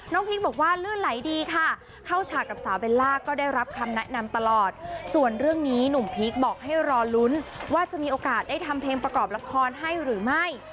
พีคบอกว่าลื่นไหลดีค่ะเข้าฉากกับสาวเบลล่าก็ได้รับคำแนะนำตลอดส่วนเรื่องนี้หนุ่มพีคบอกให้รอลุ้นว่าจะมีโอกาสได้ทำเพลงประกอบละครให้หรือไม่